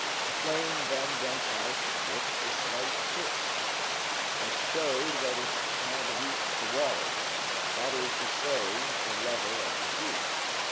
The flame then went out with a slight hiss, which showed that it had reached the water, that is to say, the level of the sea.